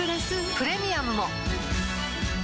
プレミアムも